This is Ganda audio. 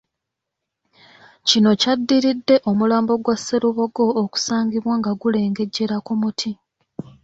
Kino kyaddiridde omulambo gwa Sserubogo okusangibwa nga gulengejjera ku muti.